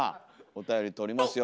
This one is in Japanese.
おたより取りますよ。